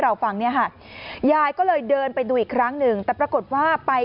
เราฟังเนี่ยค่ะยายก็เลยเดินไปดูอีกครั้งหนึ่งแต่ปรากฏว่าไป